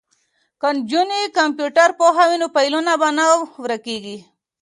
که نجونې کمپیوټر پوهې وي نو فایلونه به نه ورکیږي.